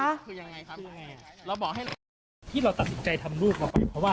ตัวทำร้ายลูกหรือเปล่า